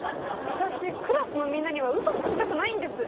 私クラスのみんなには嘘つきたくないんです